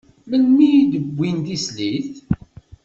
Melmi i d-wwin tislit?